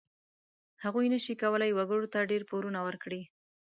هغوی نشي کولای وګړو ته ډېر پورونه ورکړي.